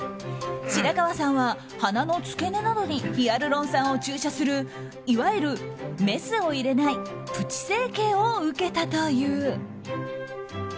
白川さんは鼻の付け根などにヒアルロン酸を注射するいわゆるメスを入れないプチ整形を受けたという。